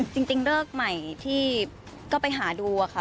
จริงเลิกใหม่ที่ก็ไปหาดูอะค่ะ